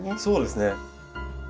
そうですね。